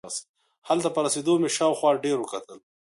هلته په رسېدو مې شاوخوا ډېر وکتل.